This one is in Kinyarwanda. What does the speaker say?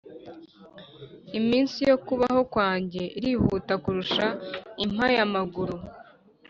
“iminsi yo kubaho kwanjye irihuta kurusha impayamaguru,